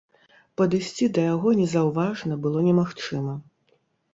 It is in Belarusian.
Падысці да яго незаўважна было немагчыма.